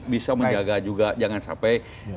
bisa menjaga juga jangan sampai